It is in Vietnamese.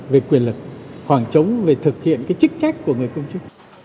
về quyền lực khoảng trống về thực hiện cái chức trách của người công chức